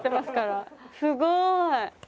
すごい。